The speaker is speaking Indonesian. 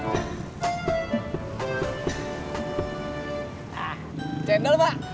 nah cendol mbak